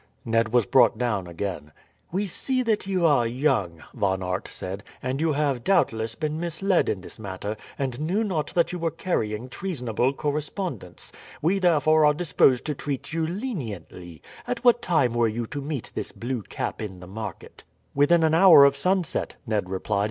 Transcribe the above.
Ned was brought down again. "We see that you are young," Von Aert said, "and you have doubtless been misled in this matter, and knew not that you were carrying treasonable correspondence. We therefore are disposed to treat you leniently. At what time were you to meet this Blue Cap in the market?" "Within an hour of sunset," Ned replied.